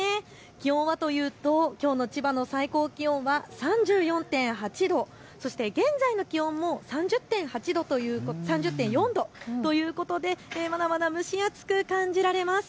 気温はとういときょうの千葉の最高気温は３４．８度、現在の気温も３０．４度ということでまだまだ蒸し暑く感じられます。